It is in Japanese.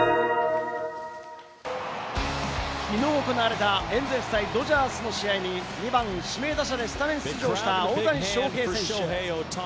きのう行われたエンゼルス対ドジャースの試合に２番・指名打者でスタメン出場した大谷翔平選手。